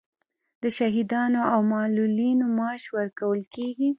د شهیدانو او معلولینو معاش ورکول کیږي؟